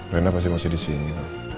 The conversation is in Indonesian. rena pasti masih disini